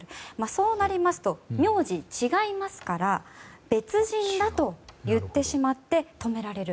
そうなりますと名字が違いますから別人だと言ってしまって、止められる。